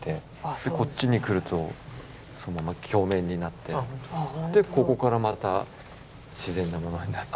でこっちに来るとそのまま鏡面になってでここからまた自然なものになって。